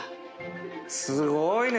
すごいね！